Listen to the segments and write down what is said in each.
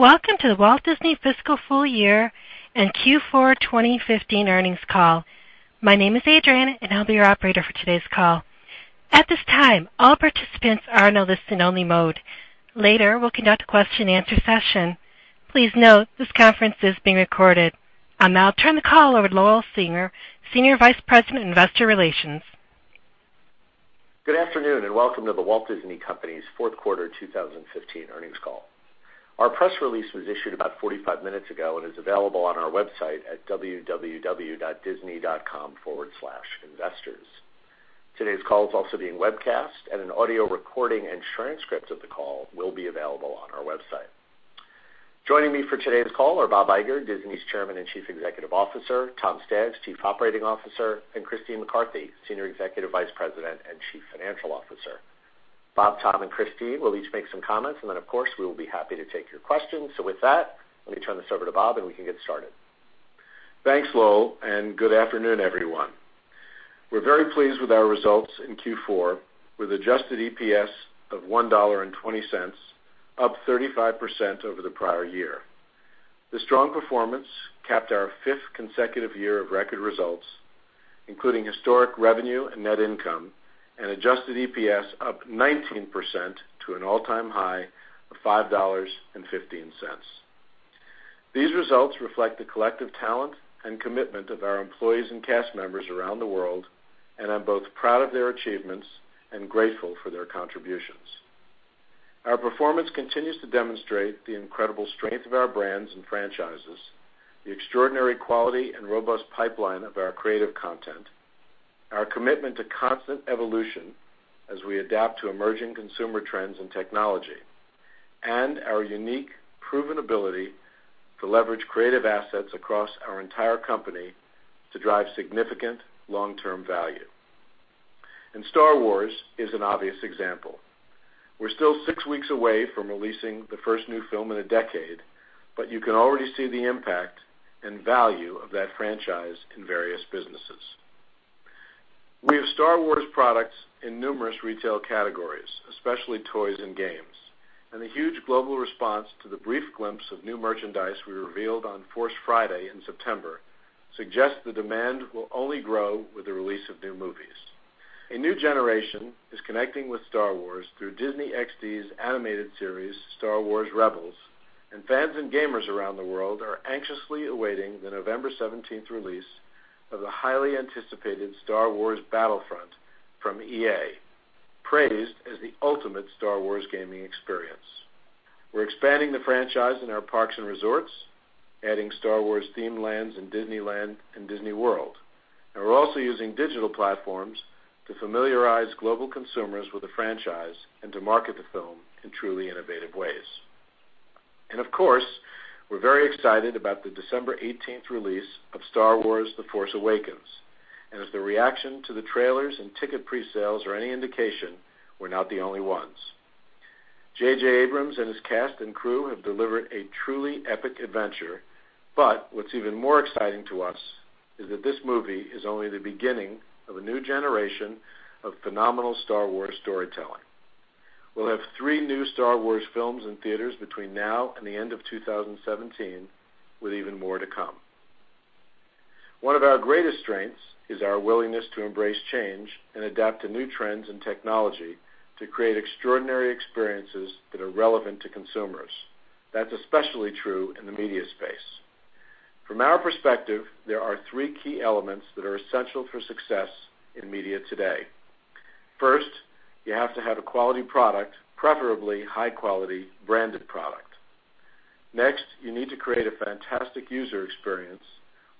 Welcome to The Walt Disney fiscal full year and Q4 2015 earnings call. My name is Adrian, and I'll be your operator for today's call. At this time, all participants are in a listen-only mode. Later, we'll conduct a question and answer session. Please note this conference is being recorded. I'll now turn the call over to Lowell Singer, Senior Vice President of Investor Relations. Good afternoon and welcome to The Walt Disney Company's fourth quarter 2015 earnings call. Our press release was issued about 45 minutes ago and is available on our website at www.disney.com/investors. Today's call is also being webcast, an audio recording and transcript of the call will be available on our website. Joining me for today's call are Bob Iger, Disney's Chairman and Chief Executive Officer, Tom Staggs, Chief Operating Officer, and Christine McCarthy, Senior Executive Vice President and Chief Financial Officer. Bob, Tom, and Christine will each make some comments, then of course, we will be happy to take your questions. With that, let me turn this over to Bob, and we can get started. Thanks, Lowell, and good afternoon, everyone. We're very pleased with our results in Q4, with adjusted EPS of $1.20, up 35% over the prior year. The strong performance capped our fifth consecutive year of record results, including historic revenue and net income and adjusted EPS up 19% to an all-time high of $5.15. These results reflect the collective talent and commitment of our employees and cast members around the world, and I'm both proud of their achievements and grateful for their contributions. Our performance continues to demonstrate the incredible strength of our brands and franchises, the extraordinary quality and robust pipeline of our creative content, our commitment to constant evolution as we adapt to emerging consumer trends and technology, and our unique proven ability to leverage creative assets across our entire company to drive significant long-term value. "Star Wars" is an obvious example. We're still six weeks away from releasing the first new film in a decade, but you can already see the impact and value of that franchise in various businesses. We have "Star Wars" products in numerous retail categories, especially toys and games, and the huge global response to the brief glimpse of new merchandise we revealed on Force Friday in September suggests the demand will only grow with the release of new movies. A new generation is connecting with "Star Wars" through Disney XD's animated series, "Star Wars Rebels," and fans and gamers around the world are anxiously awaiting the November 17th release of the highly anticipated "Star Wars Battlefront" from EA, praised as the ultimate "Star Wars" gaming experience. We're expanding the franchise in our parks and resorts, adding "Star Wars" themed lands in Disneyland and Disney World. We're also using digital platforms to familiarize global consumers with the franchise and to market the film in truly innovative ways. Of course, we're very excited about the December 18th release of "Star Wars: The Force Awakens," and if the reaction to the trailers and ticket pre-sales are any indication, we're not the only ones. J.J. Abrams and his cast and crew have delivered a truly epic adventure, what's even more exciting to us is that this movie is only the beginning of a new generation of phenomenal "Star Wars" storytelling. We'll have three new "Star Wars" films in theaters between now and the end of 2017, with even more to come. One of our greatest strengths is our willingness to embrace change and adapt to new trends and technology to create extraordinary experiences that are relevant to consumers. That's especially true in the media space. From our perspective, there are three key elements that are essential for success in media today. First, you have to have a quality product, preferably high-quality, branded product. Next, you need to create a fantastic user experience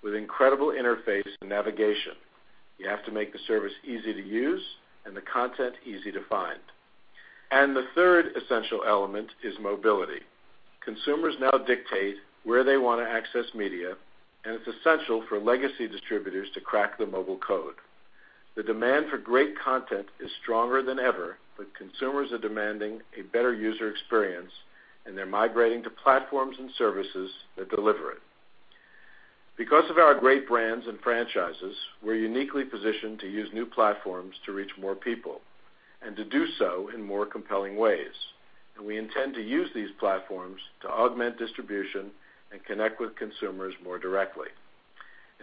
with incredible interface and navigation. You have to make the service easy to use and the content easy to find. The third essential element is mobility. Consumers now dictate where they want to access media, and it's essential for legacy distributors to crack the mobile code. The demand for great content is stronger than ever, consumers are demanding a better user experience, and they're migrating to platforms and services that deliver it. Because of our great brands and franchises, we're uniquely positioned to use new platforms to reach more people and to do so in more compelling ways, and we intend to use these platforms to augment distribution and connect with consumers more directly.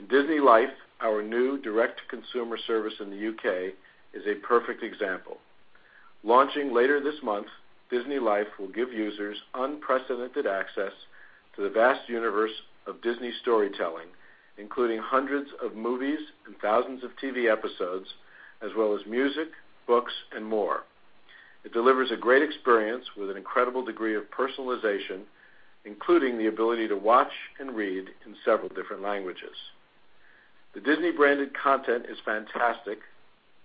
DisneyLife, our new direct-to-consumer service in the U.K., is a perfect example. Launching later this month, DisneyLife will give users unprecedented access to the vast universe of Disney storytelling, including hundreds of movies and thousands of TV episodes, as well as music, books, and more. It delivers a great experience with an incredible degree of personalization, including the ability to watch and read in several different languages. The Disney-branded content is fantastic.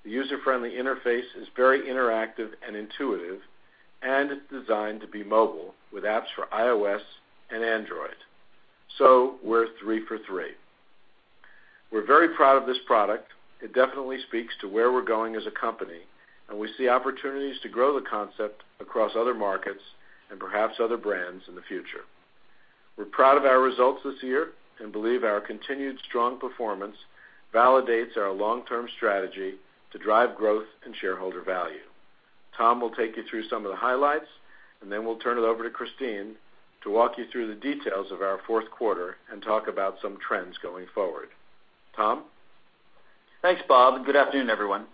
The user-friendly interface is very interactive and intuitive, and it's designed to be mobile with apps for iOS and Android. We're three for three. We're very proud of this product. It definitely speaks to where we're going as a company, and we see opportunities to grow the concept across other markets and perhaps other brands in the future. We're proud of our results this year and believe our continued strong performance validates our long-term strategy to drive growth and shareholder value. Tom will take you through some of the highlights, and then we'll turn it over to Christine to walk you through the details of our fourth quarter and talk about some trends going forward. Tom? Thanks, Bob, and good afternoon, everyone.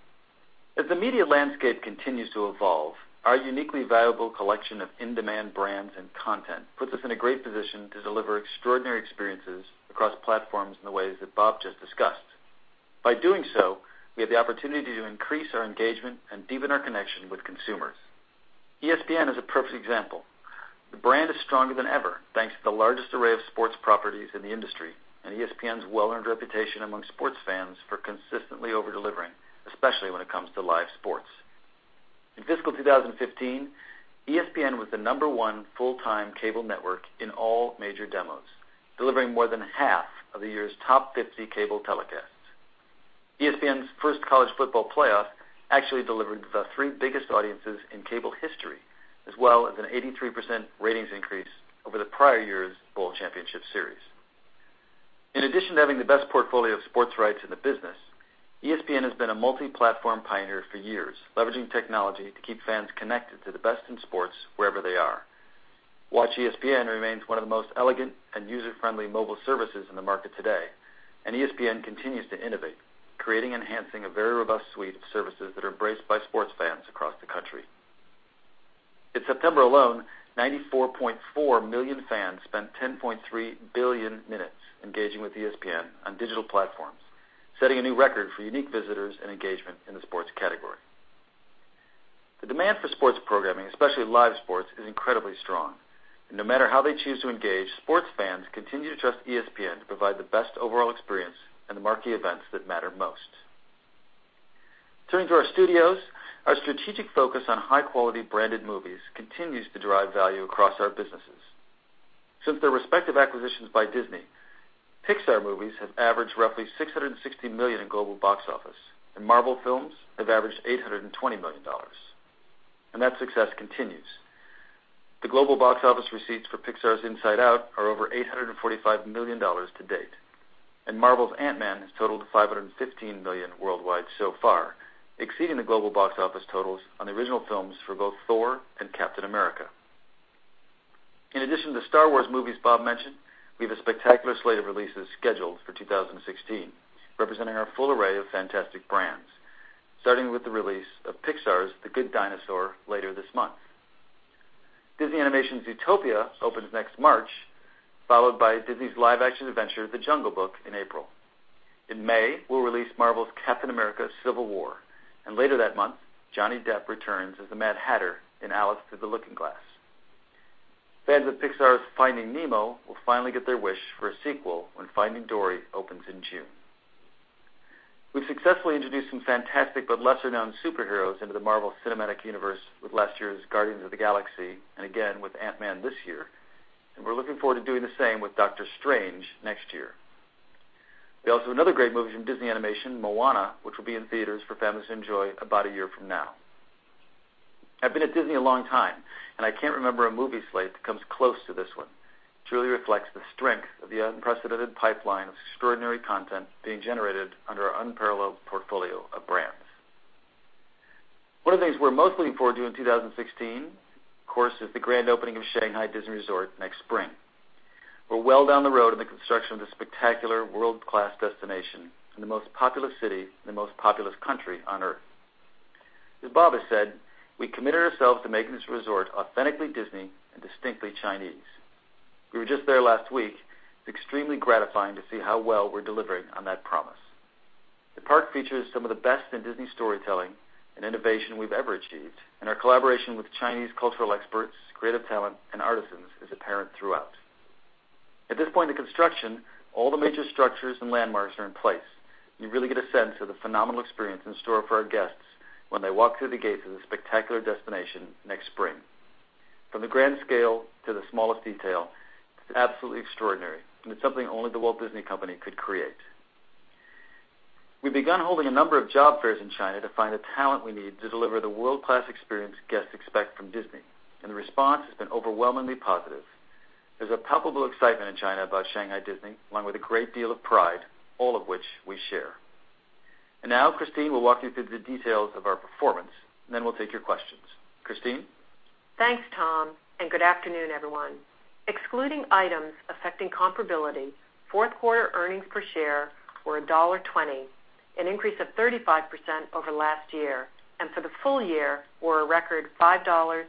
As the media landscape continues to evolve, our uniquely valuable collection of in-demand brands and content puts us in a great position to deliver extraordinary experiences across platforms in the ways that Bob just discussed. By doing so, we have the opportunity to increase our engagement and deepen our connection with consumers. ESPN is a perfect example. The brand is stronger than ever, thanks to the largest array of sports properties in the industry and ESPN's well-earned reputation among sports fans for consistently over-delivering, especially when it comes to live sports. In fiscal 2015, ESPN was the number one full-time cable network in all major demos, delivering more than half of the year's top 50 cable telecasts. ESPN's first College Football Playoff actually delivered the three biggest audiences in cable history, as well as an 83% ratings increase over the prior year's Bowl Championship Series. In addition to having the best portfolio of sports rights in the business, ESPN has been a multi-platform pioneer for years, leveraging technology to keep fans connected to the best in sports wherever they are. WatchESPN remains one of the most elegant and user-friendly mobile services in the market today. ESPN continues to innovate, creating and enhancing a very robust suite of services that are embraced by sports fans across the country. In September alone, 94.4 million fans spent 10.3 billion minutes engaging with ESPN on digital platforms, setting a new record for unique visitors and engagement in the sports category. The demand for sports programming, especially live sports, is incredibly strong. No matter how they choose to engage, sports fans continue to trust ESPN to provide the best overall experience and the marquee events that matter most. Turning to our studios, our strategic focus on high-quality branded movies continues to drive value across our businesses. Since their respective acquisitions by Disney, Pixar movies have averaged roughly $660 million in global box office, and Marvel films have averaged $820 million. That success continues. The global box office receipts for Pixar's "Inside Out" are over $845 million to date, and Marvel's "Ant-Man" has totaled $515 million worldwide so far, exceeding the global box office totals on the original films for both Thor and Captain America. In addition to the Star Wars movies Bob mentioned, we have a spectacular slate of releases scheduled for 2016, representing our full array of fantastic brands, starting with the release of Pixar's "The Good Dinosaur" later this month. Disney Animation's "Zootopia" opens next March, followed by Disney's live-action adventure, "The Jungle Book" in April. In May, we'll release Marvel's "Captain America: Civil War," and later that month, Johnny Depp returns as the Mad Hatter in "Alice Through the Looking Glass." Fans of Pixar's "Finding Nemo" will finally get their wish for a sequel when "Finding Dory" opens in June. We've successfully introduced some fantastic but lesser-known superheroes into the Marvel Cinematic Universe with last year's "Guardians of the Galaxy" and again with Ant-Man this year, and we're looking forward to doing the same with Doctor Strange next year. We also have another great movie from Disney Animation, Moana, which will be in theaters for families to enjoy about a year from now. I've been at Disney a long time, and I can't remember a movie slate that comes close to this one, which really reflects the strength of the unprecedented pipeline of extraordinary content being generated under our unparalleled portfolio of brands. One of the things we're most looking forward to in 2016, of course, is the grand opening of Shanghai Disney Resort next spring. We're well down the road in the construction of this spectacular world-class destination in the most populous city in the most populous country on Earth. As Bob has said, we committed ourselves to making this resort authentically Disney and distinctly Chinese. We were just there last week. It's extremely gratifying to see how well we're delivering on that promise. The park features some of the best in Disney storytelling and innovation we've ever achieved, our collaboration with Chinese cultural experts, creative talent, and artisans is apparent throughout. At this point in construction, all the major structures and landmarks are in place, and you really get a sense of the phenomenal experience in store for our guests when they walk through the gates of this spectacular destination next spring. From the grand scale to the smallest detail, it's absolutely extraordinary, and it's something only The Walt Disney Company could create. We've begun holding a number of job fairs in China to find the talent we need to deliver the world-class experience guests expect from Disney, and the response has been overwhelmingly positive. There's a palpable excitement in China about Shanghai Disney, along with a great deal of pride, all of which we share. Now Christine will walk you through the details of our performance, and then we'll take your questions. Christine? Thanks, Tom, and good afternoon, everyone. Excluding items affecting comparability, fourth quarter earnings per share were $1.20, an increase of 35% over last year, and for the full year were a record $5.15.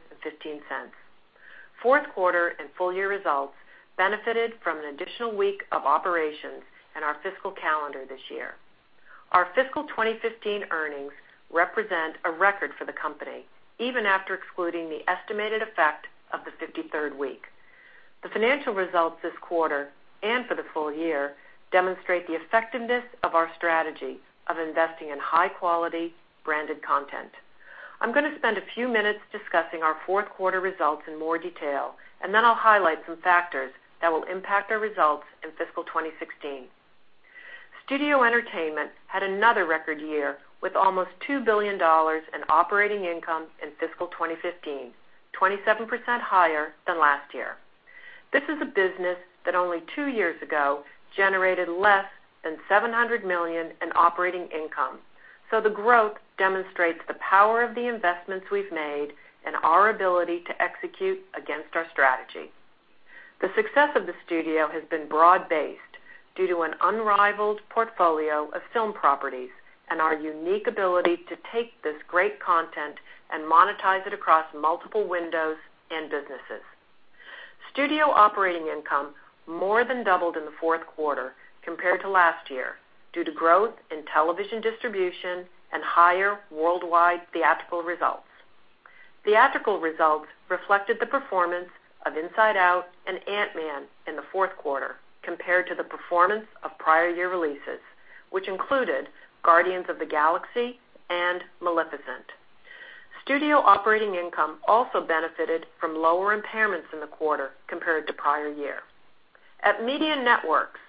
Fourth quarter and full-year results benefited from an additional week of operations in our fiscal calendar this year. Our fiscal 2015 earnings represent a record for the company, even after excluding the estimated effect of the 53rd week. The financial results this quarter and for the full year demonstrate the effectiveness of our strategy of investing in high-quality branded content. I'm going to spend a few minutes discussing our fourth quarter results in more detail, then I'll highlight some factors that will impact our results in fiscal 2016. Studio Entertainment had another record year with almost $2 billion in operating income in fiscal 2015, 27% higher than last year. This is a business that only two years ago generated less than $700 million in operating income. The growth demonstrates the power of the investments we've made and our ability to execute against our strategy. The success of the studio has been broad-based due to an unrivaled portfolio of film properties and our unique ability to take this great content and monetize it across multiple windows and businesses. Studio operating income more than doubled in the fourth quarter compared to last year due to growth in television distribution and higher worldwide theatrical results. Theatrical results reflected the performance of "Inside Out" and "Ant-Man" in the fourth quarter compared to the performance of prior year releases, which included "Guardians of the Galaxy" and "Maleficent." Studio operating income also benefited from lower impairments in the quarter compared to prior year. At Media Networks,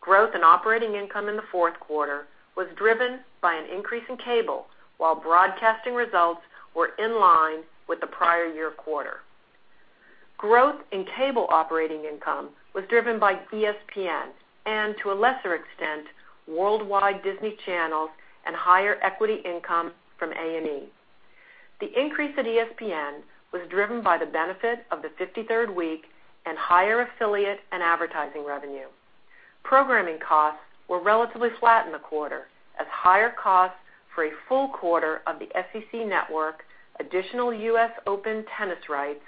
growth and operating income in the fourth quarter was driven by an increase in cable, while broadcasting results were in line with the prior year quarter. Growth in cable operating income was driven by ESPN and, to a lesser extent, worldwide Disney Channels and higher equity income from A+E. The increase at ESPN was driven by the benefit of the 53rd week and higher affiliate and advertising revenue. Programming costs were relatively flat in the quarter as higher costs for a full quarter of the SEC Network, additional US Open tennis rights,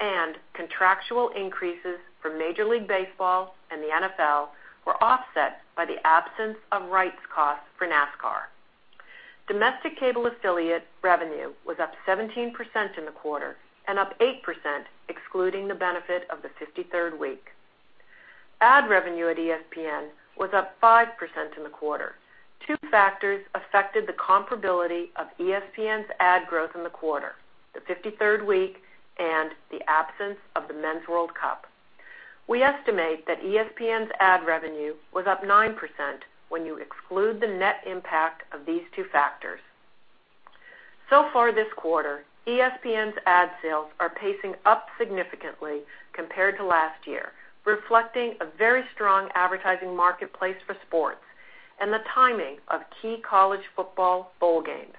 and contractual increases for Major League Baseball and the NFL were offset by the absence of rights costs for NASCAR. Domestic cable affiliate revenue was up 17% in the quarter and up 8% excluding the benefit of the 53rd week. Ad revenue at ESPN was up 5% in the quarter. Two factors affected the comparability of ESPN's ad growth in the quarter, the 53rd week and the absence of the Men's World Cup. We estimate that ESPN's ad revenue was up 9% when you exclude the net impact of these two factors. So far this quarter, ESPN's ad sales are pacing up significantly compared to last year, reflecting a very strong advertising marketplace for sports and the timing of key college football bowl games.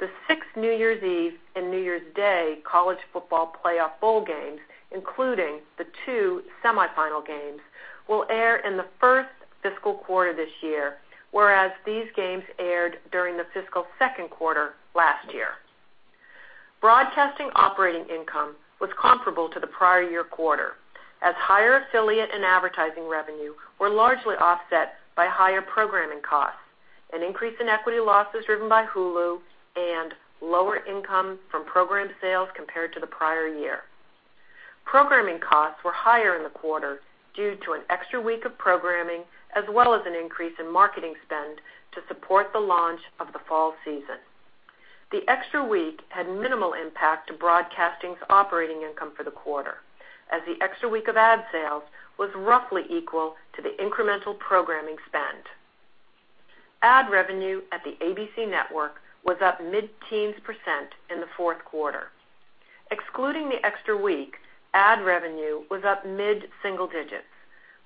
The six New Year's Eve and New Year's Day College Football Playoff bowl games, including the two semifinal games, will air in the first fiscal quarter this year, whereas these games aired during the fiscal second quarter last year. Broadcasting operating income was comparable to the prior year quarter, as higher affiliate and advertising revenue were largely offset by higher programming costs, an increase in equity losses driven by Hulu, and lower income from program sales compared to the prior year. Programming costs were higher in the quarter due to an extra week of programming as well as an increase in marketing spend to support the launch of the fall season. The extra week had minimal impact to broadcasting's operating income for the quarter, as the extra week of ad sales was roughly equal to the incremental programming spend. Ad revenue at the ABC Network was up mid-teens % in the fourth quarter. Excluding the extra week, ad revenue was up mid-single digits.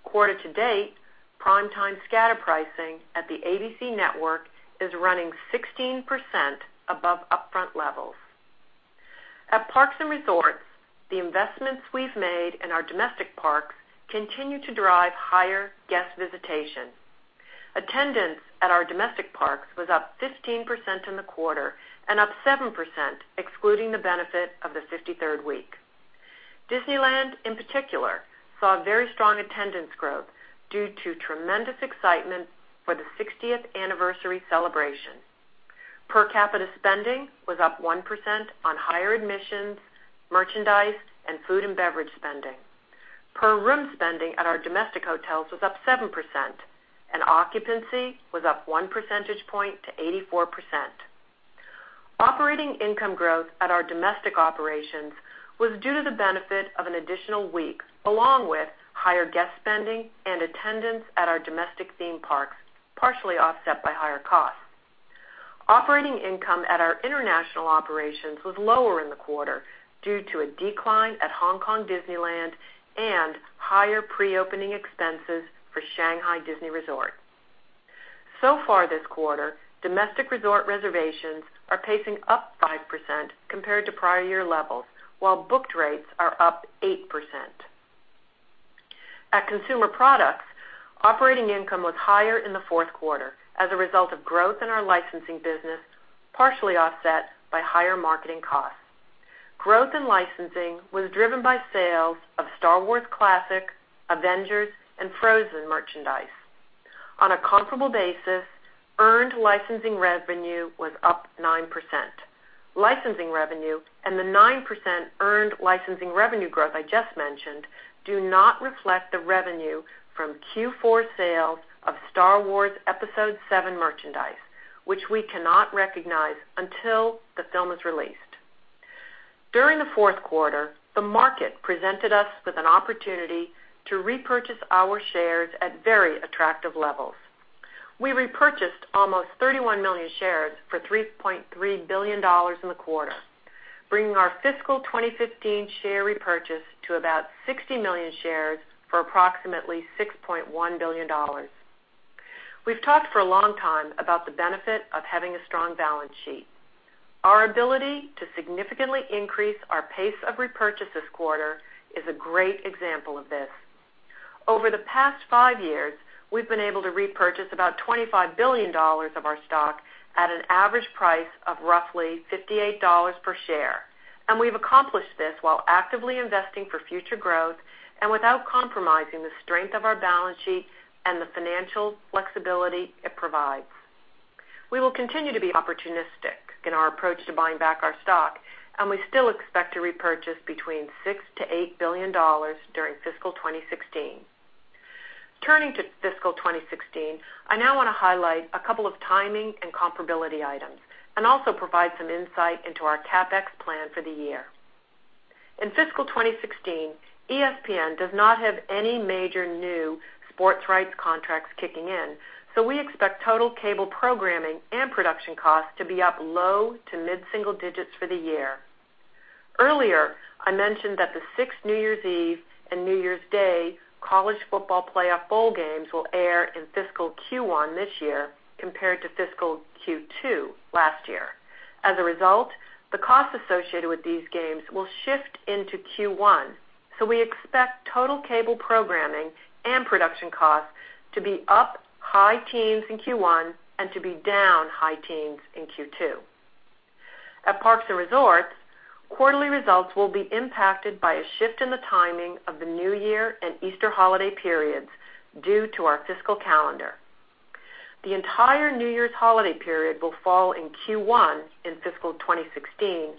Quarter to date, prime time scatter pricing at the ABC Network is running 16% above upfront levels. At Parks and Resorts, the investments we've made in our domestic parks continue to drive higher guest visitation. Attendance at our domestic parks was up 15% in the quarter and up 7% excluding the benefit of the 53rd week. Disneyland, in particular, saw very strong attendance growth due to tremendous excitement for the 60th anniversary celebration. Per capita spending was up 1% on higher admissions, merchandise, and food and beverage spending. Per room spending at our domestic hotels was up 7%, and occupancy was up one percentage point to 84%. Operating income growth at our domestic operations was due to the benefit of an additional week, along with higher guest spending and attendance at our domestic theme parks, partially offset by higher costs. Operating income at our international operations was lower in the quarter due to a decline at Hong Kong Disneyland and higher pre-opening expenses for Shanghai Disney Resort. Far this quarter, domestic resort reservations are pacing up 5% compared to prior year levels, while booked rates are up 8%. At Consumer Products, operating income was higher in the fourth quarter as a result of growth in our licensing business, partially offset by higher marketing costs. Growth in licensing was driven by sales of Star Wars Classic, Avengers, and Frozen merchandise. On a comparable basis, earned licensing revenue was up 9%. Licensing revenue and the 9% earned licensing revenue growth I just mentioned do not reflect the revenue from Q4 sales of Star Wars Episode VII merchandise, which we cannot recognize until the film is released. During the fourth quarter, the market presented us with an opportunity to repurchase our shares at very attractive levels. We repurchased almost 31 million shares for $3.3 billion in the quarter, bringing our fiscal 2015 share repurchase to about 60 million shares for approximately $6.1 billion. We've talked for a long time about the benefit of having a strong balance sheet. Our ability to significantly increase our pace of repurchase this quarter is a great example of this. Over the past five years, we've been able to repurchase about $25 billion of our stock at an average price of roughly $58 per share. We've accomplished this while actively investing for future growth and without compromising the strength of our balance sheet and the financial flexibility it provides. We will continue to be opportunistic in our approach to buying back our stock, we still expect to repurchase between $6 billion-$8 billion during fiscal 2016. Turning to fiscal 2016, I now want to highlight a couple of timing and comparability items and also provide some insight into our CapEx plan for the year. In fiscal 2016, ESPN does not have any major new sports rights contracts kicking in, we expect total cable programming and production costs to be up low to mid-single digits for the year. Earlier, I mentioned that the sixth New Year's Eve and New Year's Day College Football Playoff bowl games will air in fiscal Q1 this year compared to fiscal Q2 last year. The costs associated with these games will shift into Q1, so we expect total cable programming and production costs to be up high teens in Q1 and to be down high teens in Q2. At Parks and Resorts, quarterly results will be impacted by a shift in the timing of the New Year and Easter holiday periods due to our fiscal calendar. The entire New Year's holiday period will fall in Q1 in fiscal 2016,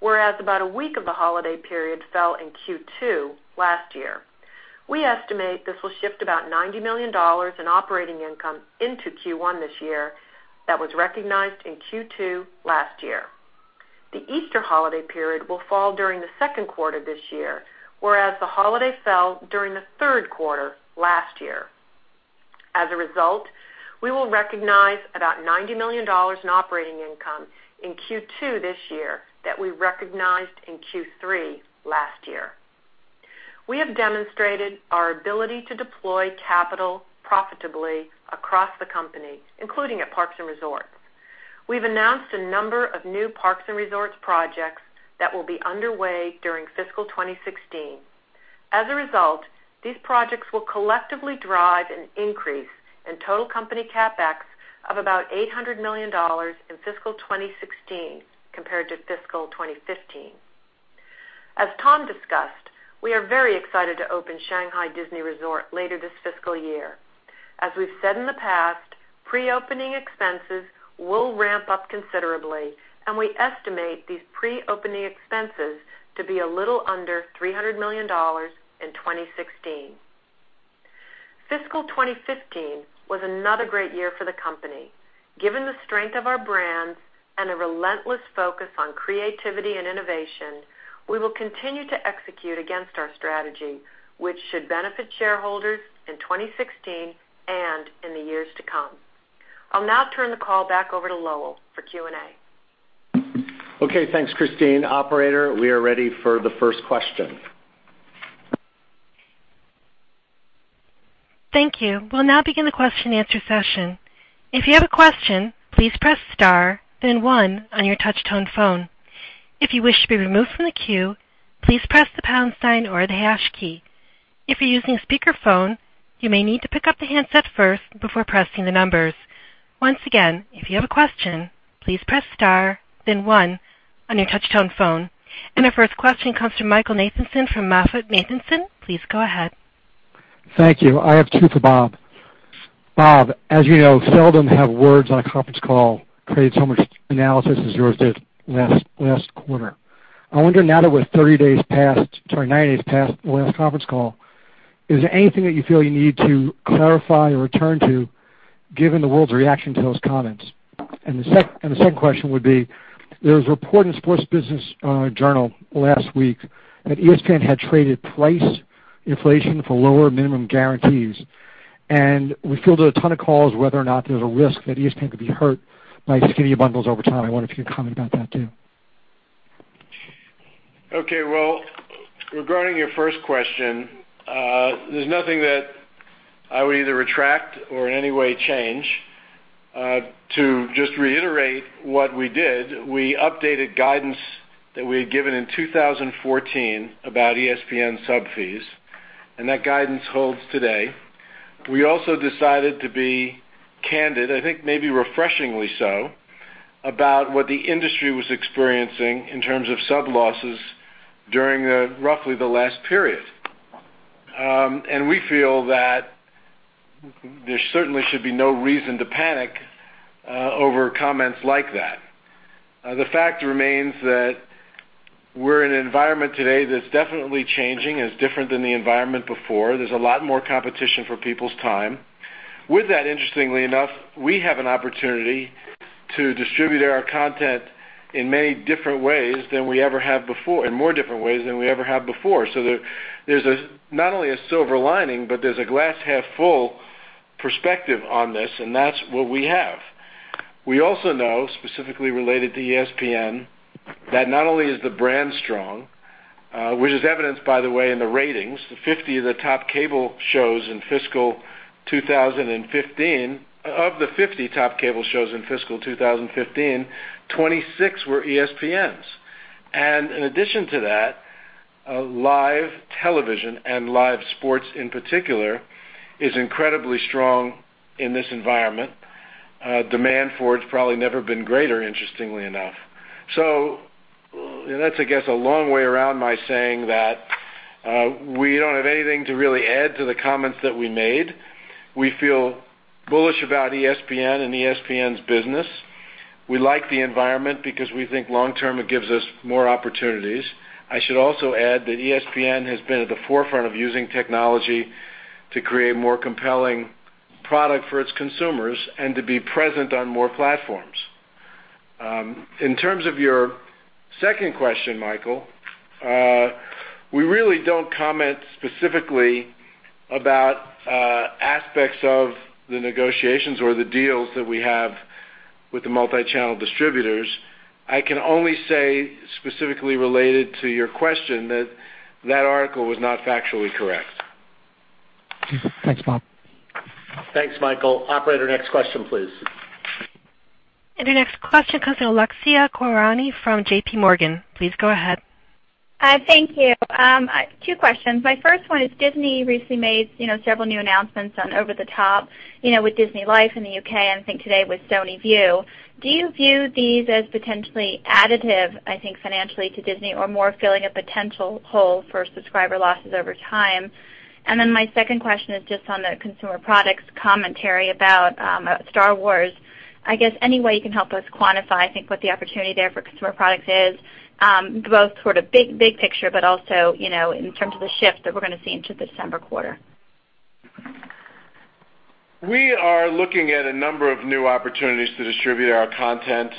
whereas about a week of the holiday period fell in Q2 last year. We estimate this will shift about $90 million in operating income into Q1 this year that was recognized in Q2 last year. The Easter holiday period will fall during the second quarter this year, whereas the holiday fell during the third quarter last year. We will recognize about $90 million in operating income in Q2 this year that we recognized in Q3 last year. We have demonstrated our ability to deploy capital profitably across the company, including at Parks and Resorts. We've announced a number of new Parks and Resorts projects that will be underway during fiscal 2016. These projects will collectively drive an increase in total company CapEx of about $800 million in fiscal 2016 compared to fiscal 2015. As Tom discussed, we are very excited to open Shanghai Disney Resort later this fiscal year. As we've said in the past, pre-opening expenses will ramp up considerably, and we estimate these pre-opening expenses to be a little under $300 million in 2016. Fiscal 2015 was another great year for the company. Given the strength of our brands and a relentless focus on creativity and innovation, we will continue to execute against our strategy, which should benefit shareholders in 2016 and in the years to come. I'll now turn the call back over to Lowell for Q&A. Okay. Thanks, Christine. Operator, we are ready for the first question. Thank you. We'll now begin the question and answer session. If you have a question, please press star, then one on your touch-tone phone. If you wish to be removed from the queue, please press the pound sign or the hash key. If you're using a speakerphone, you may need to pick up the handset first before pressing the numbers. Once again, if you have a question, please press star, then one on your touch-tone phone. Our first question comes from Michael Nathanson from MoffettNathanson. Please go ahead. Thank you. I have two for Bob. Bob, as you know, seldom have words on a conference call created so much analysis as yours did last quarter. I wonder now that we're 90 days past the last conference call, is there anything that you feel you need to clarify or return to given the world's reaction to those comments? The second question would be, there was a report in Sports Business Journal last week that ESPN had traded price inflation for lower minimum guarantees, and we fielded a ton of calls whether or not there's a risk that ESPN could be hurt by skinnier bundles over time. I wonder if you could comment about that too. Okay. Well, regarding your first question, there's nothing that I would either retract or in any way change. To just reiterate what we did, we updated guidance that we had given in 2014 about ESPN sub fees, that guidance holds today. We also decided to be candid, I think maybe refreshingly so, about what the industry was experiencing in terms of sub losses during roughly the last period. We feel that there certainly should be no reason to panic over comments like that. The fact remains that we're in an environment today that's definitely changing and is different than the environment before. There's a lot more competition for people's time With that, interestingly enough, we have an opportunity to distribute our content in many different ways than we ever have before, in more different ways than we ever have before. There's not only a silver lining, but there's a glass-half-full perspective on this, and that's what we have. We also know, specifically related to ESPN, that not only is the brand strong, which is evidenced, by the way, in the ratings, of the 50 top cable shows in fiscal 2015, 26 were ESPN's. In addition to that, live television and live sports in particular, is incredibly strong in this environment. Demand for it's probably never been greater, interestingly enough. That's, I guess, a long way around my saying that we don't have anything to really add to the comments that we made. We feel bullish about ESPN and ESPN's business. We like the environment because we think long-term, it gives us more opportunities. I should also add that ESPN has been at the forefront of using technology to create more compelling product for its consumers and to be present on more platforms. In terms of your second question, Michael, we really don't comment specifically about aspects of the negotiations or the deals that we have with the multi-channel distributors. I can only say, specifically related to your question, that that article was not factually correct. Thanks, Bob. Thanks, Michael. Operator, next question, please. The next question comes from Alexia Quadrani from JPMorgan. Please go ahead. Thank you. Two questions. My first one is Disney recently made several new announcements on over-the-top, with DisneyLife in the U.K., and I think today with PlayStation Vue. Do you view these as potentially additive, I think, financially to Disney, or more filling a potential hole for subscriber losses over time? My second question is just on the consumer products commentary about Star Wars. I guess, any way you can help us quantify, I think, what the opportunity there for consumer products is both sort of big picture, but also, in terms of the shift that we are going to see into the December quarter. We are looking at a number of new opportunities to distribute our content.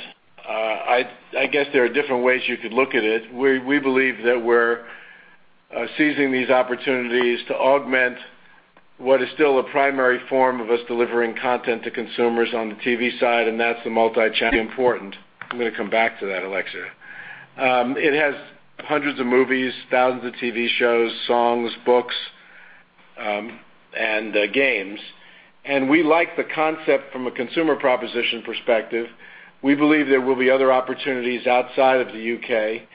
I guess there are different ways you could look at it. We believe that we are seizing these opportunities to augment what is still a primary form of us delivering content to consumers on the TV side, and that's the multi-channel. Important. I am going to come back to that, Alexia. It has hundreds of movies, thousands of TV shows, songs, books, and games, and we like the concept from a consumer proposition perspective. We believe there will be other opportunities outside of the U.K.,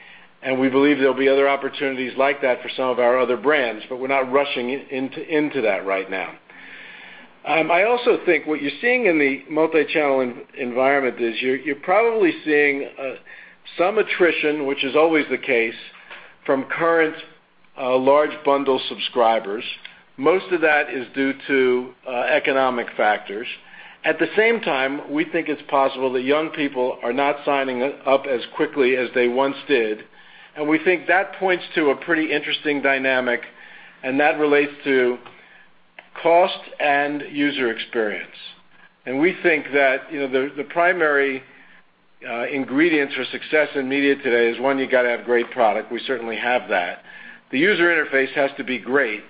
and we believe there will be other opportunities like that for some of our other brands, but we are not rushing into that right now. I also think what you are seeing in the multi-channel environment is you are probably seeing some attrition, which is always the case, from current large bundle subscribers. Most of that is due to economic factors. At the same time, we think it is possible that young people are not signing up as quickly as they once did. We think that points to a pretty interesting dynamic, and that relates to cost and user experience. We think that the primary ingredients for success in media today is, one, you got to have great product. We certainly have that. The user interface has to be great,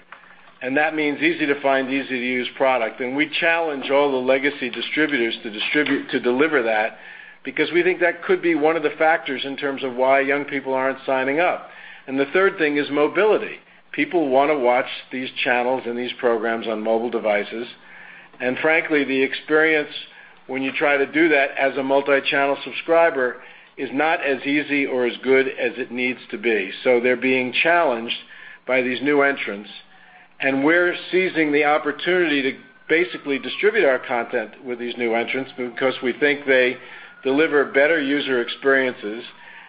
and that means easy-to-find, easy-to-use product. We challenge all the legacy distributors to deliver that because we think that could be one of the factors in terms of why young people are not signing up. The third thing is mobility. People want to watch these channels and these programs on mobile devices. Frankly, the experience when you try to do that as a multi-channel subscriber is not as easy or as good as it needs to be. They are being challenged by these new entrants, and we are seizing the opportunity to basically distribute our content with these new entrants because we think they deliver better user experiences.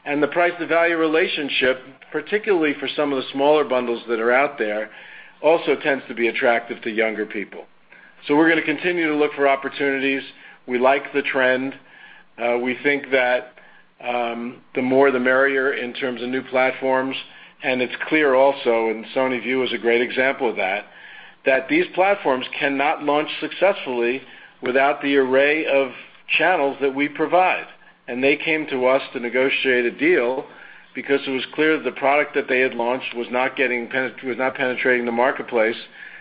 The price to value relationship, particularly for some of the smaller bundles that are out there, also tends to be attractive to younger people. We are going to continue to look for opportunities. We like the trend. We think that the more, the merrier in terms of new platforms, and it is clear also, and PlayStation Vue is a great example of that these platforms cannot launch successfully without the array of channels that we provide. They came to us to negotiate a deal because it was clear that the product that they had launched was not penetrating the marketplace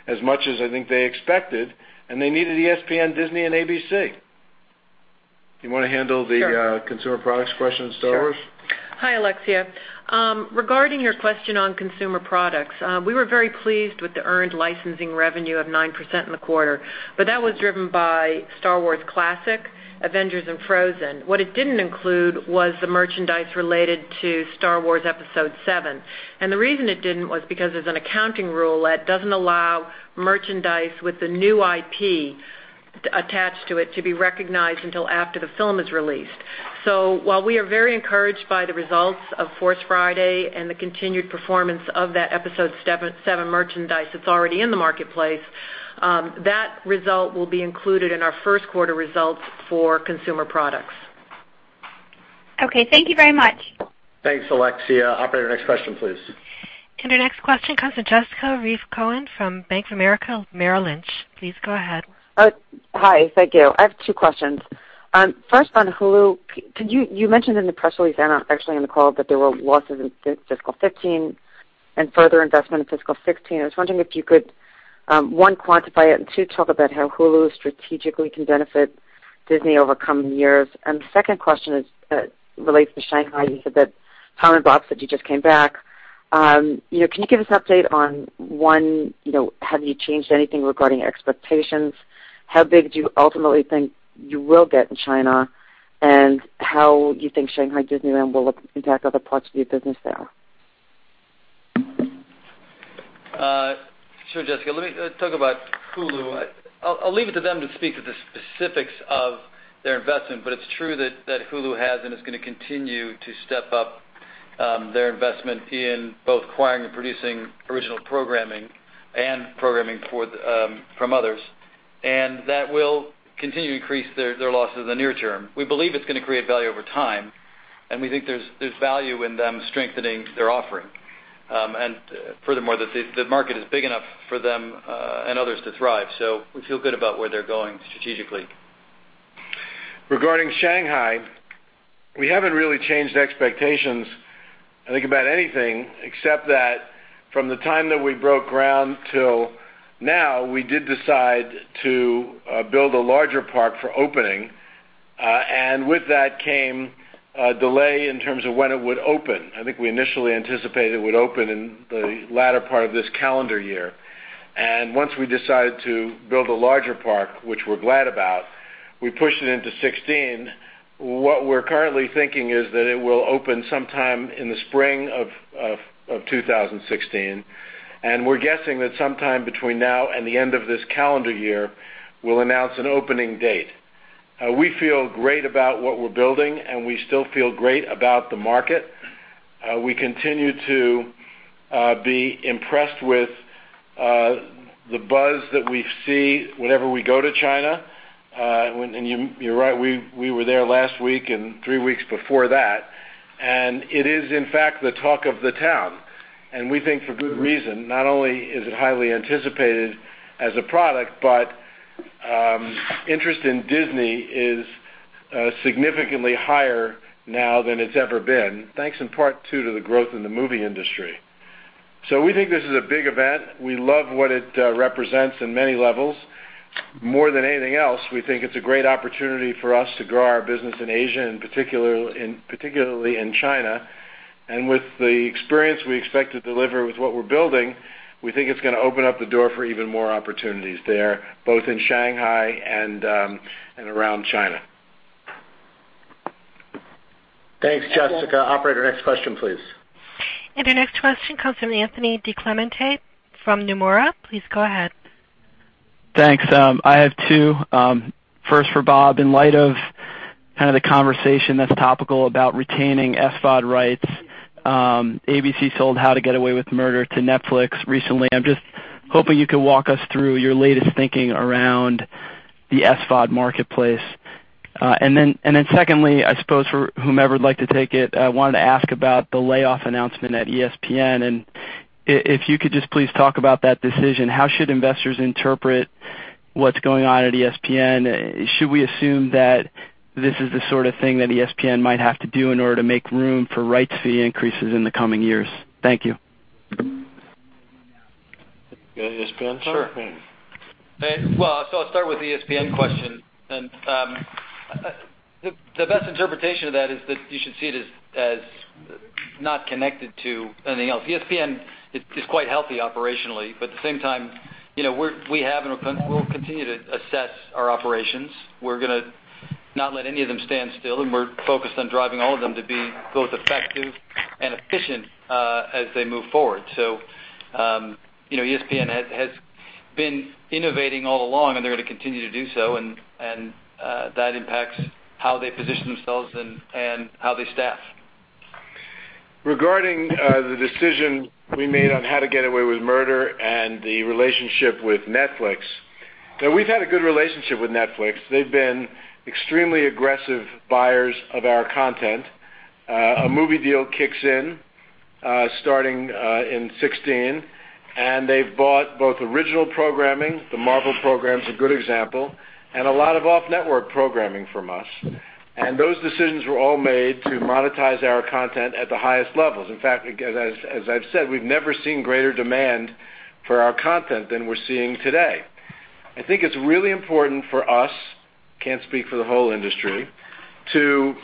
as much as I think they expected, and they needed ESPN, Disney, and ABC. Do you want to handle the consumer products question on Star Wars? Sure. Hi, Alexia. Regarding your question on consumer products, we were very pleased with the earned licensing revenue of 9% in the quarter, that was driven by Star Wars Classic, Avengers, and Frozen. What it didn't include was the merchandise related to Star Wars Episode 7. The reason it didn't was because there's an accounting rule that doesn't allow merchandise with the new IP attached to it to be recognized until after the film is released. While we are very encouraged by the results of Force Friday and the continued performance of that Episode 7 merchandise that's already in the marketplace, that result will be included in our first quarter results for consumer products. Okay, thank you very much. Thanks, Alexia. Operator, next question, please. Our next question comes from Jessica Reif Cohen from Bank of America Merrill Lynch. Please go ahead. Hi, thank you. I have two questions. First, on Hulu, you mentioned in the press release and actually on the call that there were losses in fiscal 2015 and further investment in fiscal 2016. I was wondering if you could, one, quantify it, and two, talk about how Hulu strategically can benefit Disney over coming years. The second question relates to Shanghai. You said that Tom and Bob said you just came back. Can you give us an update on, one, have you changed anything regarding expectations? How big do you ultimately think you will get in China? How you think Shanghai Disneyland will impact other parts of your business there? Sure, Jessica. Let me talk about Hulu. I'll leave it to them to speak to the specifics of their investment, but it's true that Hulu has and is going to continue to step up their investment in both acquiring and producing original programming and programming from others. That will continue to increase their losses in the near term. We believe it's going to create value over time, and we think there's value in them strengthening their offering. Furthermore, the market is big enough for them and others to thrive. We feel good about where they're going strategically. Regarding Shanghai, we haven't really changed expectations, I think about anything, except that from the time that we broke ground till now, we did decide to build a larger park for opening, and with that came a delay in terms of when it would open. I think we initially anticipated it would open in the latter part of this calendar year. Once we decided to build a larger park, which we're glad about, we pushed it into 2016. What we're currently thinking is that it will open sometime in the spring of 2016. We're guessing that sometime between now and the end of this calendar year, we'll announce an opening date. We feel great about what we're building, and we still feel great about the market. We continue to be impressed with the buzz that we see whenever we go to China. You're right, we were there last week and three weeks before that, it is in fact the talk of the town, and we think for good reason. Not only is it highly anticipated as a product, interest in Disney is significantly higher now than it's ever been, thanks in part too to the growth in the movie industry. We think this is a big event. We love what it represents in many levels. More than anything else, we think it's a great opportunity for us to grow our business in Asia, particularly in China. With the experience we expect to deliver with what we're building, we think it's going to open up the door for even more opportunities there, both in Shanghai and around China. Thanks, Jessica. Operator, next question, please. Your next question comes from Anthony DiClemente from Nomura. Please go ahead. Thanks. I have two. First for Bob, in light of the conversation that's topical about retaining SVOD rights, ABC sold "How to Get Away with Murder" to Netflix recently. I'm just hoping you could walk us through your latest thinking around the SVOD marketplace. Then secondly, I suppose for whomever would like to take it, I wanted to ask about the layoff announcement at ESPN. If you could just please talk about that decision. How should investors interpret what's going on at ESPN? Should we assume that this is the sort of thing that ESPN might have to do in order to make room for rights fee increases in the coming years? Thank you. You got ESPN, Tom? Sure. Well, I'll start with the ESPN question. The best interpretation of that is that you should see it as not connected to anything else. ESPN is quite healthy operationally. At the same time, we have and we'll continue to assess our operations. We're going to not let any of them stand still, and we're focused on driving all of them to be both effective and efficient as they move forward. ESPN has been innovating all along, and they're going to continue to do so, and that impacts how they position themselves and how they staff. Regarding the decision we made on "How to Get Away with Murder" and the relationship with Netflix, we've had a good relationship with Netflix. They've been extremely aggressive buyers of our content. A movie deal kicks in starting in 2016, and they've bought both original programming, the Marvel program's a good example, and a lot of off-network programming from us, and those decisions were all made to monetize our content at the highest levels. In fact, as I've said, we've never seen greater demand for our content than we're seeing today. I think it's really important for us, can't speak for the whole industry, to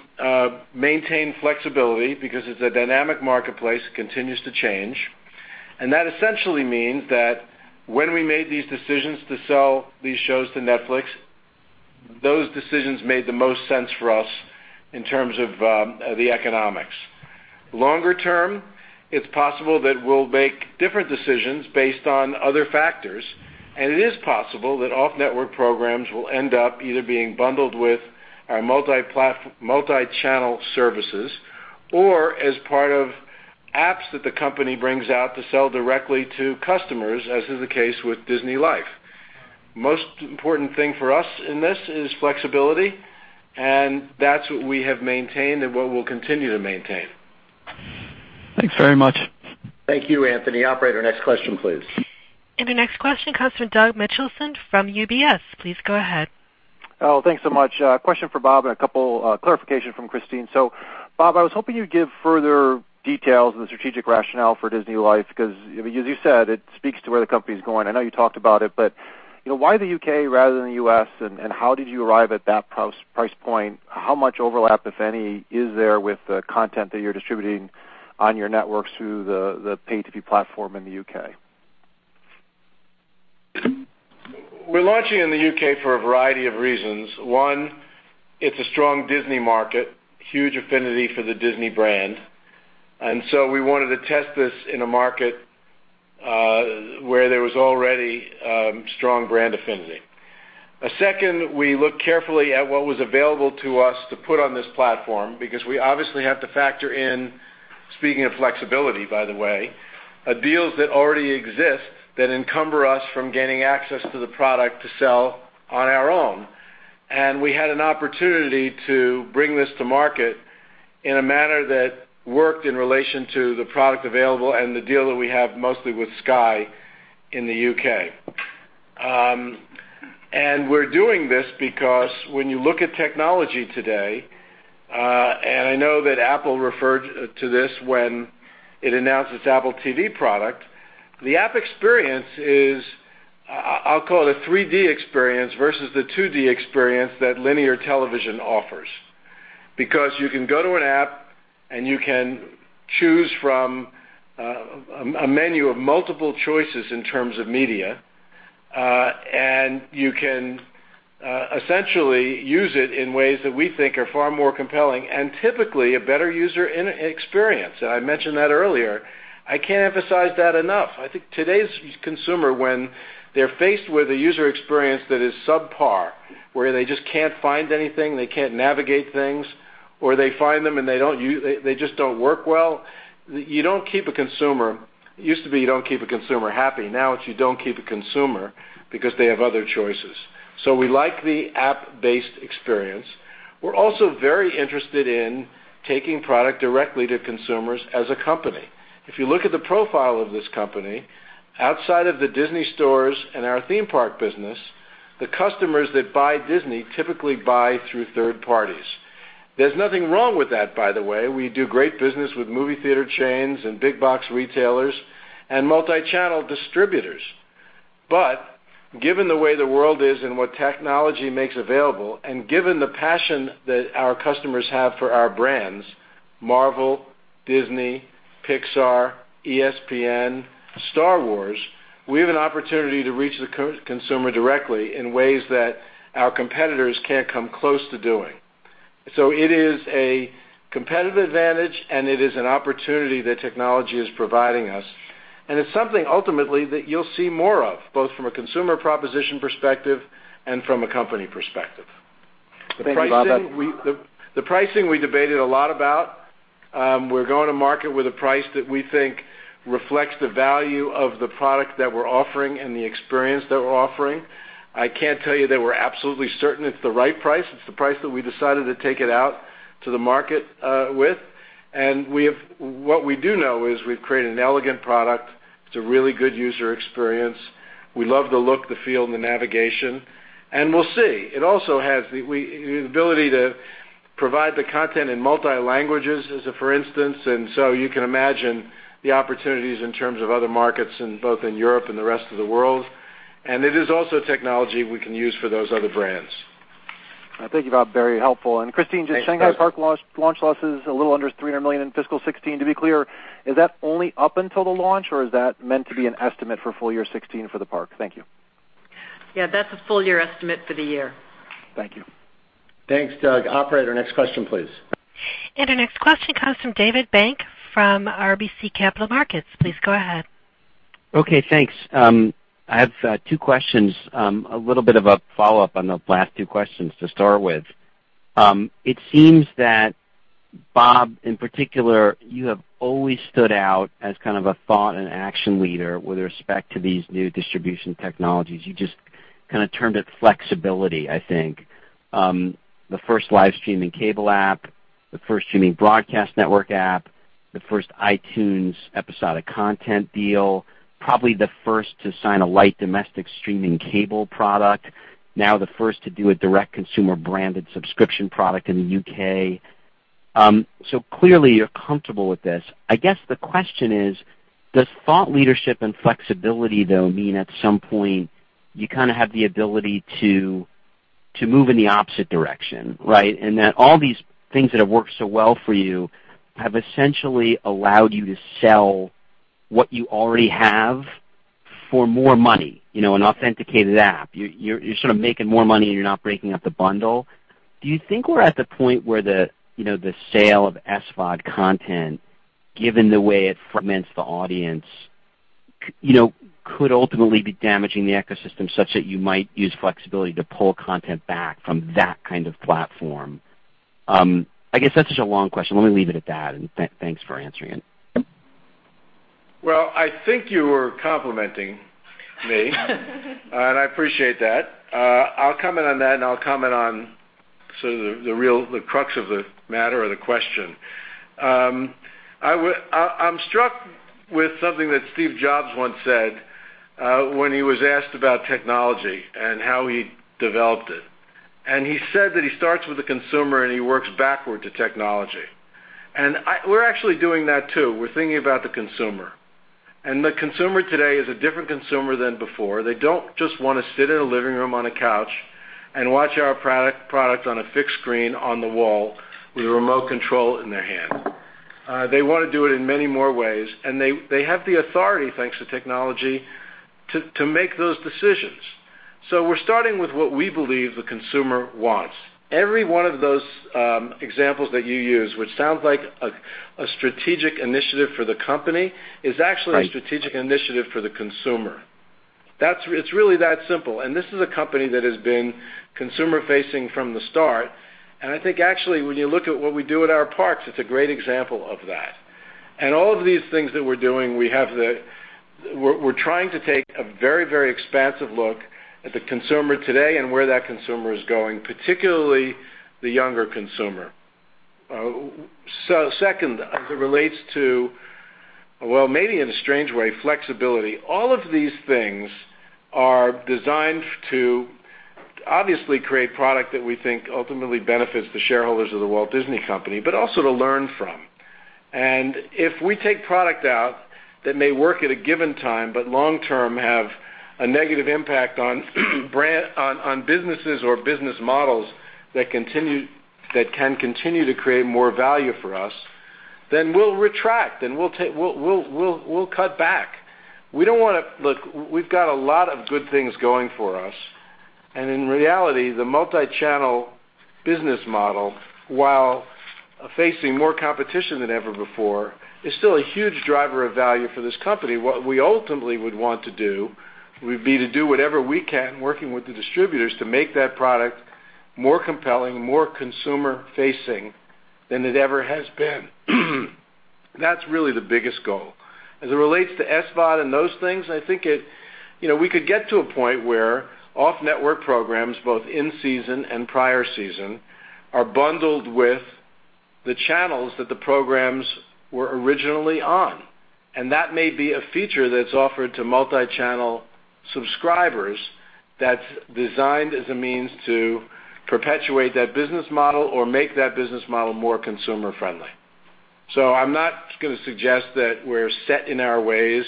maintain flexibility because it's a dynamic marketplace, continues to change. That essentially means that when we made these decisions to sell these shows to Netflix, those decisions made the most sense for us in terms of the economics. Longer term, it's possible that we'll make different decisions based on other factors, and it is possible that off-network programs will end up either being bundled with our multi-channel services or as part of apps that the company brings out to sell directly to customers, as is the case with DisneyLife. Most important thing for us in this is flexibility, and that's what we have maintained and what we'll continue to maintain. Thanks very much. Thank you, Anthony. Operator, next question, please. Your next question comes from Douglas Mitchelson from UBS. Please go ahead. Thanks so much. A question for Bob and a couple clarification from Christine. Bob, I was hoping you'd give further details on the strategic rationale for DisneyLife, because as you said, it speaks to where the company's going. I know you talked about it, why the U.K. rather than the U.S., and how did you arrive at that price point? How much overlap, if any, is there with the content that you're distributing on your networks through the pay TV platform in the U.K.? We're launching in the U.K. for a variety of reasons. One, it's a strong Disney market, huge affinity for the Disney brand. We wanted to test this in a market where there was already strong brand affinity. Second, we looked carefully at what was available to us to put on this platform because we obviously have to factor in, speaking of flexibility, by the way, deals that already exist that encumber us from gaining access to the product to sell on our own. We had an opportunity to bring this to market in a manner that worked in relation to the product available and the deal that we have mostly with Sky in the U.K. We're doing this because when you look at technology today, and I know that Apple referred to this when it announced its Apple TV product, the app experience is, I'll call it a 3D experience versus the 2D experience that linear television offers. You can go to an app and you can choose from a menu of multiple choices in terms of media. You can essentially use it in ways that we think are far more compelling and typically a better user experience. I mentioned that earlier. I can't emphasize that enough. I think today's consumer, when they're faced with a user experience that is subpar, where they just can't find anything, they can't navigate things, or they find them and they just don't work well, you don't keep a consumer. It used to be you don't keep a consumer happy. Now it's you don't keep a consumer because they have other choices. We like the app-based experience. We're also very interested in taking product directly to consumers as a company. If you look at the profile of this company, outside of the Disney Store and our theme park business, the customers that buy Disney typically buy through third parties. There's nothing wrong with that, by the way. We do great business with movie theater chains and big box retailers and multi-channel distributors. Given the way the world is and what technology makes available, and given the passion that our customers have for our brands, Marvel, Disney, Pixar, ESPN, Star Wars, we have an opportunity to reach the consumer directly in ways that our competitors can't come close to doing. It is a competitive advantage, and it is an opportunity that technology is providing us, and it's something ultimately that you'll see more of, both from a consumer proposition perspective and from a company perspective. Thank you, Bob. The pricing, we debated a lot about. We're going to market with a price that we think reflects the value of the product that we're offering and the experience that we're offering. I can't tell you that we're absolutely certain it's the right price. It's the price that we decided to take it out to the market with. What we do know is we've created an elegant product. It's a really good user experience. We love the look, the feel, and the navigation, and we'll see. It also has the ability to provide the content in multi languages as a for instance, so you can imagine the opportunities in terms of other markets both in Europe and the rest of the world. It is also technology we can use for those other brands. Thank you, Bob. Very helpful. Christine- Thanks, Doug. just Shanghai park launch loss is a little under $300 million in fiscal 2016. To be clear, is that only up until the launch, or is that meant to be an estimate for full year 2016 for the park? Thank you. Yeah, that's a full year estimate for the year. Thank you. Thanks, Doug. Operator, next question, please. Our next question comes from David Bank from RBC Capital Markets. Please go ahead. Okay, thanks. I have two questions, a little bit of a follow-up on the last two questions to start with. It seems that Bob, in particular, you have always stood out as kind of a thought and action leader with respect to these new distribution technologies. You just kind of termed it flexibility, I think. The first live streaming cable app, the first streaming broadcast network app, the first iTunes episodic content deal, probably the first to sign a light domestic streaming cable product, now the first to do a direct consumer-branded subscription product in the U.K. Clearly you're comfortable with this. I guess the question is, does thought leadership and flexibility though mean at some point you have the ability to move in the opposite direction, right? That all these things that have worked so well for you have essentially allowed you to sell what you already have for more money, an authenticated app. You're sort of making more money and you're not breaking up the bundle. Do you think we're at the point where the sale of SVOD content, given the way it fragments the audience, could ultimately be damaging the ecosystem such that you might use flexibility to pull content back from that kind of platform? I guess that's such a long question. Let me leave it at that, and thanks for answering it. Well, I think you were complimenting me and I appreciate that. I'll comment on that, and I'll comment on the crux of the matter or the question. I'm struck with something that Steve Jobs once said when he was asked about technology and how he developed it. He said that he starts with the consumer, and he works backward to technology. We're actually doing that, too. We're thinking about the consumer. The consumer today is a different consumer than before. They don't just want to sit in a living room on a couch and watch our product on a fixed screen on the wall with a remote control in their hand. They want to do it in many more ways, and they have the authority, thanks to technology, to make those decisions. We're starting with what we believe the consumer wants. Every one of those examples that you use, which sounds like a strategic initiative for the company, is actually a strategic initiative for the consumer. It's really that simple. This is a company that has been consumer-facing from the start, and I think actually, when you look at what we do at our parks, it's a great example of that. All of these things that we're doing, we're trying to take a very, very expansive look at the consumer today and where that consumer is going, particularly the younger consumer. Second, as it relates to, well, maybe in a strange way, flexibility, all of these things are designed to obviously create product that we think ultimately benefits the shareholders of The Walt Disney Company, but also to learn from. If we take product out that may work at a given time, but long term, have a negative impact on businesses or business models that can continue to create more value for us, then we'll retract and we'll cut back. Look, we've got a lot of good things going for us, and in reality, the multi-channel business model, while facing more competition than ever before, is still a huge driver of value for this company. What we ultimately would want to do would be to do whatever we can, working with the distributors, to make that product more compelling, more consumer-facing than it ever has been. That's really the biggest goal. As it relates to SVOD and those things, I think we could get to a point where off-network programs, both in season and prior season, are bundled with the channels that the programs were originally on, and that may be a feature that's offered to multi-channel subscribers that's designed as a means to perpetuate that business model or make that business model more consumer friendly. I'm not going to suggest that we're set in our ways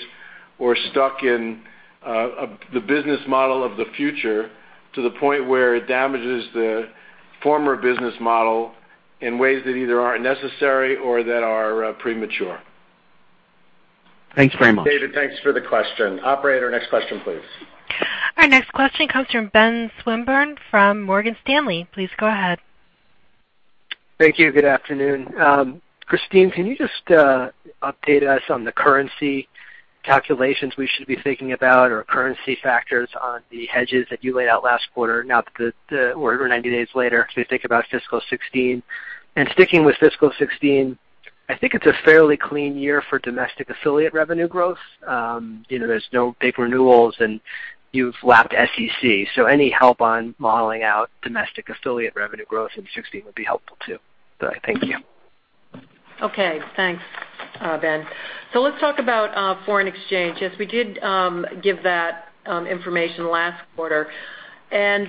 or stuck in the business model of the future to the point where it damages the former business model in ways that either aren't necessary or that are premature. Thanks very much. David, thanks for the question. Operator, next question, please. Our next question comes from Benjamin Swinburne from Morgan Stanley. Please go ahead. Thank you. Good afternoon. Christine, can you just update us on the currency calculations we should be thinking about or currency factors on the hedges that you laid out last quarter now that we're over 90 days later as we think about fiscal 2016? Sticking with fiscal 2016, I think it's a fairly clean year for domestic affiliate revenue growth. There's no big renewals, and you've lapped SEC, so any help on modeling out domestic affiliate revenue growth in 2016 would be helpful, too. Thank you. Okay. Thanks, Ben. Let's talk about foreign exchange. Yes, we did give that information last quarter. As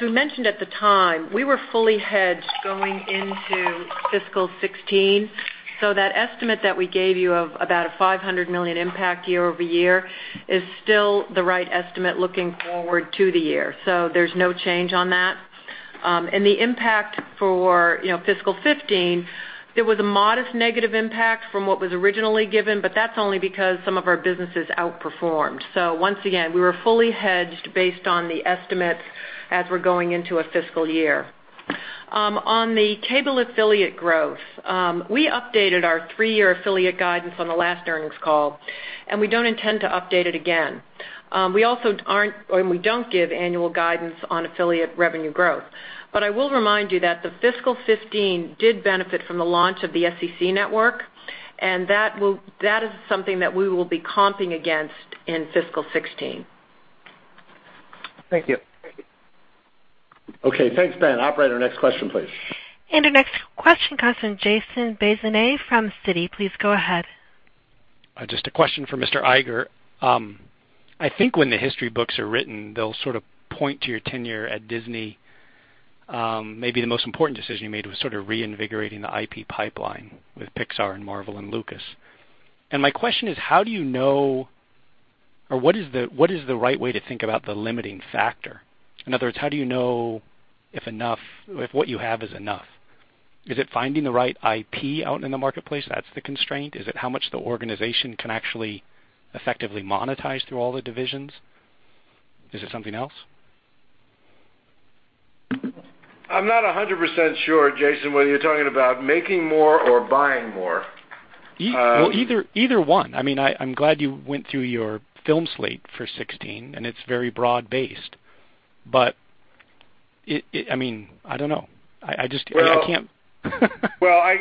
we mentioned at the time, we were fully hedged going into fiscal 2016. That estimate that we gave you of about a $500 million impact year-over-year is still the right estimate looking forward to the year. There's no change on that. The impact for fiscal 2015, there was a modest negative impact from what was originally given, but that's only because some of our businesses outperformed. Once again, we were fully hedged based on the estimates as we're going into a fiscal year. On the cable affiliate growth, we updated our three-year affiliate guidance on the last earnings call, and we don't intend to update it again. We don't give annual guidance on affiliate revenue growth. I will remind you that the fiscal 2015 did benefit from the launch of the SEC Network, and that is something that we will be comping against in fiscal 2016. Thank you. Okay. Thanks, Ben. Operator, next question, please. Our next question comes from Jason Bazinet from Citi. Please go ahead. Just a question for Mr. Iger. I think when the history books are written, they'll sort of point to your tenure at Disney. Maybe the most important decision you made was sort of reinvigorating the IP pipeline with Pixar and Marvel and Lucasfilm. My question is, how do you know, or what is the right way to think about the limiting factor? In other words, how do you know if what you have is enough? Is it finding the right IP out in the marketplace, that's the constraint? Is it how much the organization can actually effectively monetize through all the divisions? Is it something else? I'm not 100% sure, Jason, whether you're talking about making more or buying more. Well, either one. I'm glad you went through your film slate for 2016, and it's very broad-based. Well,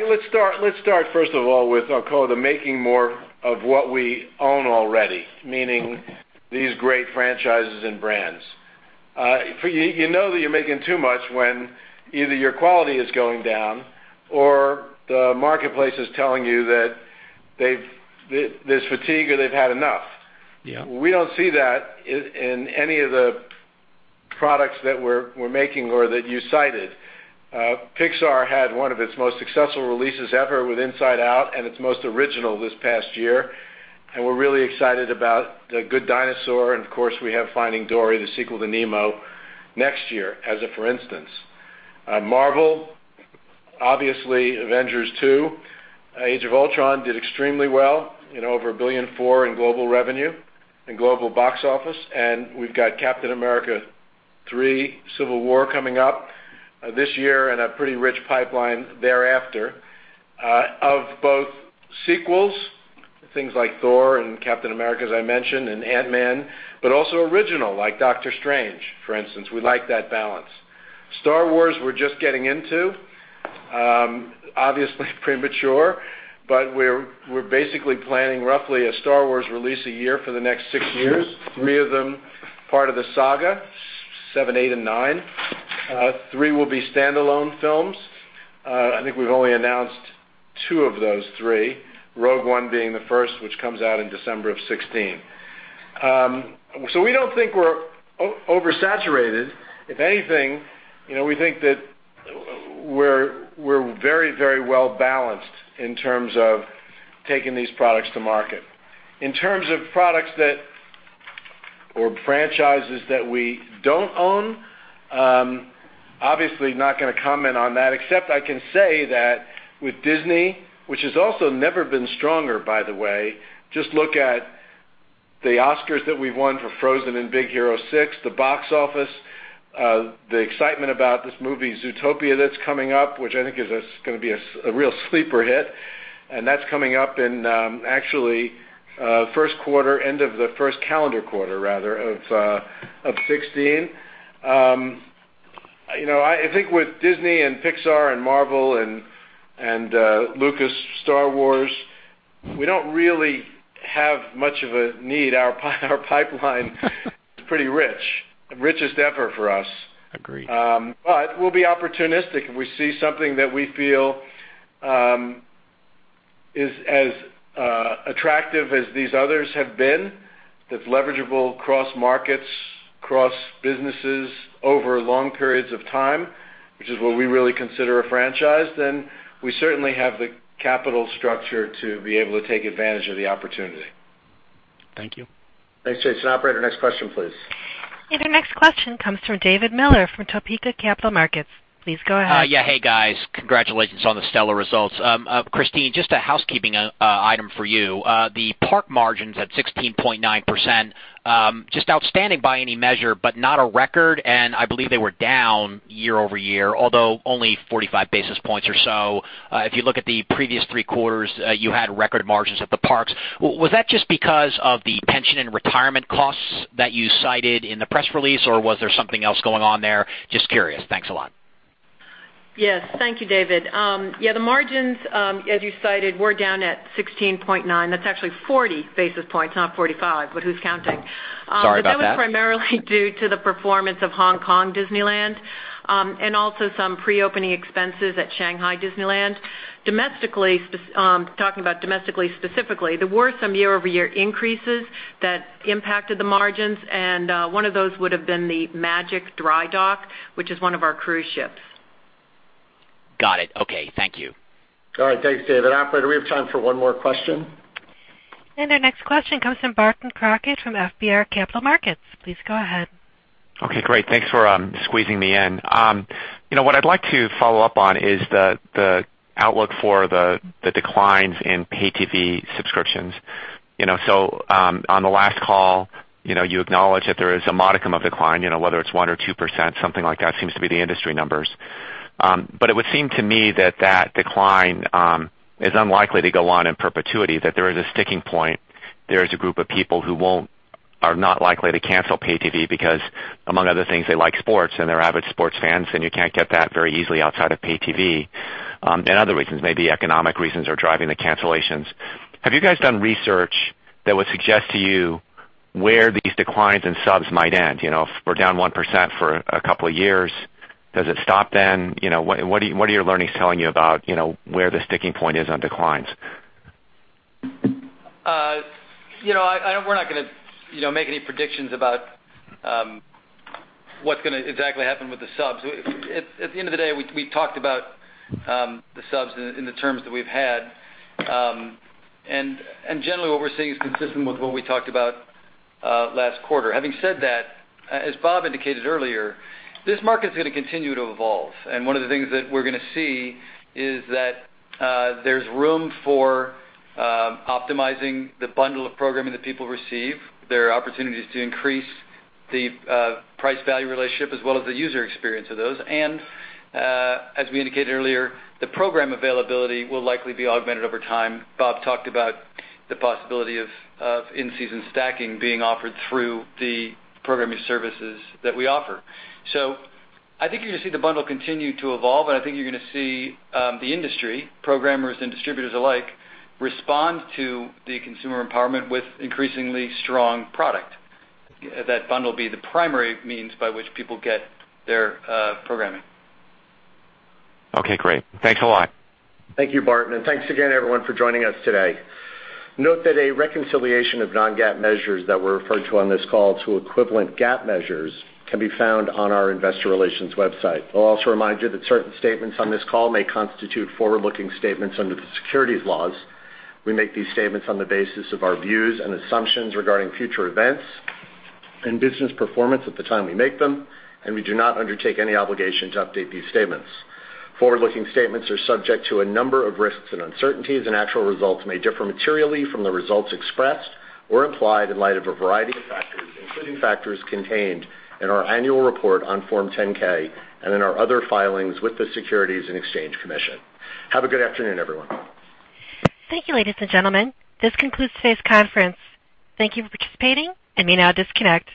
let's start first of all with I'll call it the making more of what we own already, meaning these great franchises and brands. You know that you're making too much when either your quality is going down or the marketplace is telling you that there's fatigue or they've had enough. Yeah. We don't see that in any of the products that we're making or that you cited. Pixar had one of its most successful releases ever with "Inside Out" and its most original this past year. We're really excited about "The Good Dinosaur," and of course, we have "Finding Dory," the sequel to "Nemo," next year as a for instance. Marvel, obviously, "Avengers: Age of Ultron" did extremely well in over $1.4 billion in global revenue, in global box office. We've got "Captain America: Civil War" coming up this year and a pretty rich pipeline thereafter of both sequels, things like "Thor" and "Captain America," as I mentioned, and "Ant-Man," also original, like "Doctor Strange," for instance. We like that balance. "Star Wars" we're just getting into. Obviously premature. We're basically planning roughly a "Star Wars" release a year for the next 6 years, three of them part of the saga, VII, VIII, and IX. Three will be standalone films. I think we've only announced two of those three, "Rogue One" being the first, which comes out in December of 2016. We don't think we're oversaturated. If anything, we think that we're very well-balanced in terms of taking these products to market. In terms of products or franchises that we don't own, obviously not going to comment on that except I can say that with Disney, which has also never been stronger, by the way, just look at the Oscars that we won for "Frozen" and "Big Hero 6," the box office, the excitement about this movie, "Zootopia" that's coming up, which I think is going to be a real sleeper hit. That's coming up in actually first quarter, end of the first calendar quarter rather of 2016. I think with Disney and Pixar and Marvel and Lucas, Star Wars, we don't really have much of a need. Our pipeline is pretty rich. The richest ever for us. Agreed. We'll be opportunistic. If we see something that we feel is as attractive as these others have been, that's leverageable across markets, across businesses, over long periods of time, which is what we really consider a franchise, then we certainly have the capital structure to be able to take advantage of the opportunity. Thank you. Thanks, Jason. Operator, next question, please. Our next question comes from David Miller from Topeka Capital Markets. Please go ahead. Yeah. Hey, guys. Congratulations on the stellar results. Christine, just a housekeeping item for you. The park margins at 16.9%, just outstanding by any measure, but not a record, and I believe they were down year-over-year, although only 45 basis points or so. If you look at the previous three quarters, you had record margins at the parks. Was that just because of the pension and retirement costs that you cited in the press release, or was there something else going on there? Just curious. Thanks a lot. Thank you, David. The margins, as you cited, were down at 16.9%. That's actually 40 basis points, not 45, who's counting? Sorry about that. That was primarily due to the performance of Hong Kong Disneyland, and also some pre-opening expenses at Shanghai Disneyland. Talking about domestically specifically, there were some year-over-year increases that impacted the margins, and one of those would have been the Disney Magic dry dock, which is one of our cruise ships. Got it. Okay. Thank you. All right. Thanks, David. Operator, do we have time for one more question? Our next question comes from Barton Crockett from FBR Capital Markets. Please go ahead. Okay, great. Thanks for squeezing me in. What I'd like to follow up on is the outlook for the declines in pay TV subscriptions. On the last call, you acknowledged that there is a modicum of decline, whether it's 1% or 2%, something like that seems to be the industry numbers. It would seem to me that that decline is unlikely to go on in perpetuity, that there is a sticking point. There is a group of people who are not likely to cancel pay TV because, among other things, they like sports and they're avid sports fans and you can't get that very easily outside of pay TV. Other reasons, maybe economic reasons are driving the cancellations. Have you guys done research that would suggest to you where these declines in subs might end? If we're down 1% for a couple of years, does it stop then? What are your learnings telling you about where the sticking point is on declines? We're not going to make any predictions about what's going to exactly happen with the subs. At the end of the day, we talked about the subs in the terms that we've had. Generally, what we're seeing is consistent with what we talked about last quarter. Having said that, as Bob indicated earlier, this market's going to continue to evolve, and one of the things that we're going to see is that there's room for optimizing the bundle of programming that people receive. There are opportunities to increase the price-value relationship as well as the user experience of those. As we indicated earlier, the program availability will likely be augmented over time. Bob talked about the possibility of in-season stacking being offered through the programming services that we offer. I think you're going to see the bundle continue to evolve, and I think you're going to see the industry, programmers and distributors alike, respond to the consumer empowerment with increasingly strong product. That bundle will be the primary means by which people get their programming. Okay, great. Thanks a lot. Thank you, Barton, and thanks again, everyone, for joining us today. Note that a reconciliation of non-GAAP measures that were referred to on this call to equivalent GAAP measures can be found on our investor relations website. I'll also remind you that certain statements on this call may constitute forward-looking statements under the securities laws. We make these statements on the basis of our views and assumptions regarding future events and business performance at the time we make them, and we do not undertake any obligation to update these statements. Forward-looking statements are subject to a number of risks and uncertainties, actual results may differ materially from the results expressed or implied in light of a variety of factors, including factors contained in our annual report on Form 10-K and in our other filings with the Securities and Exchange Commission. Have a good afternoon, everyone. Thank you, ladies and gentlemen. This concludes today's conference. Thank you for participating. You may now disconnect.